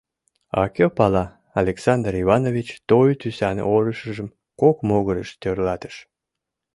— А кӧ пала, — Александр Иванович той тӱсан ӧрышыжым кок могырыш тӧрлатыш.